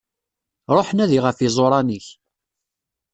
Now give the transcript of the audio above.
Ruḥ nadi ɣef yiẓuran-ik.